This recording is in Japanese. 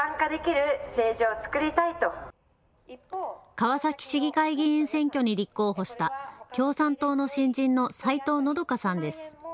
川崎市議会議員選挙に立候補した共産党の新人の斉藤温さんです。